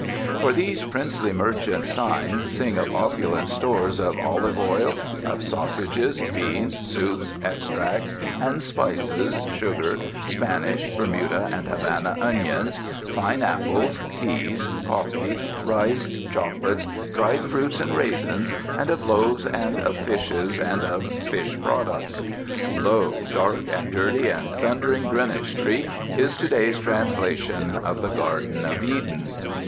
For these princely merchants' signs sing of opulent stores of olive oil, of sausages, beans, soups, extracts, and spices, sugar, Spanish, Bermuda, and Havana onions, "fine" apples, teas, coffee, rice, chocolates, dried fruits and raisins, and of loaves and of fishes, and of "fish products." Lo! dark and dirty and thundering Greenwich Street is to day's translation of the Garden of Eden.